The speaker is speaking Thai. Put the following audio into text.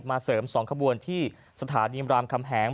เสริม๒ขบวนที่สถานีมรามคำแหง